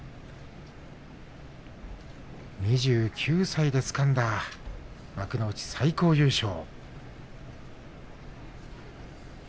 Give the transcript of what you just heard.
２９歳でつかんだ幕内最高優勝。